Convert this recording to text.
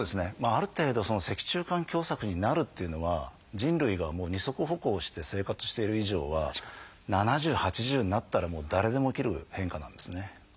ある程度脊柱管狭窄になるというのは人類が二足歩行をして生活している以上は７０８０になったら誰でも起きる変化なんですね。